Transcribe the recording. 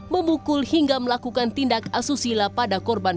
memukul hingga melakukan tindak asusila pada korban